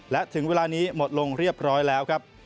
และถึงเวลานี้หมดลงเรียบร้อยแล้วครับ